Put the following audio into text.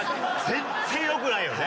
絶対よくないよね。